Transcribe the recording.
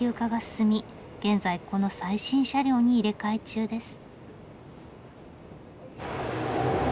現在この最新車両に入れ替え中です。